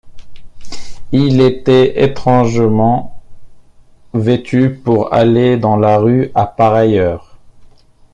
Il était étrangement vêtu pour aller dans la rue à pareille heure.